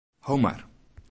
Ho mar.